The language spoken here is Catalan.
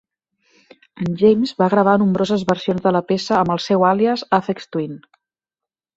En James va gravar nombroses versions de la peça amb el seu àlies "Aphex Twin".